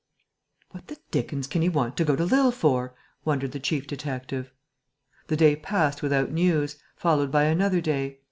"What the dickens can he want to go to Lille for?" wondered the chief detective. The day passed without news, followed by another day.